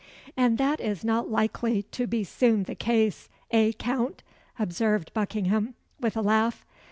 "And that is not likely to be soon the case eh, Count?" observed Buckingham, with a laugh.